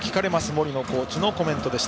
森野コーチのコメントです。